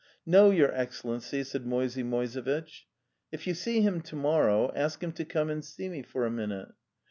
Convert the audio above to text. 'No, your Excellency," said Moisey Moisevitch. 'If you see him to morrow, ask him to come and see me for a minute."